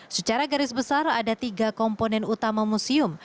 secara garis besar ada tiga komponen utama museum